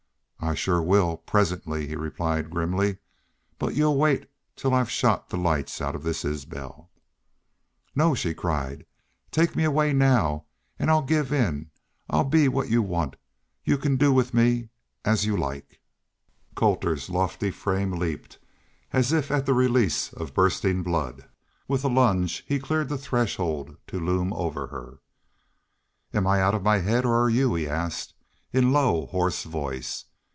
"I shore will presently," he replied, grimly. "But y'u'll wait till I've shot the lights out of this Isbel." "No!" she cried. "Take me away now.... An' I'll give in I'll be what y'u want.... Y'u can do with me as y'u like." Colter's lofty frame leaped as if at the release of bursting blood. With a lunge he cleared the threshold to loom over her. "Am I out of my haid, or are y'u?" he asked, in low, hoarse voice.